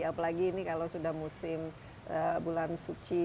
apalagi ini kalau sudah musim bulan suci